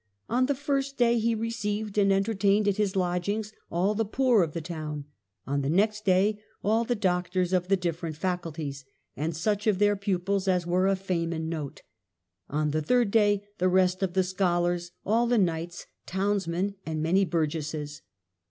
"On the first day he received and entertained at his lodgings all the poor of the town; on the next day all the doctors of the different faculties, and such of their pupils as were of fame and note; on the third day the rest of the scholars, all the knights, townsmen, and many bur gesses."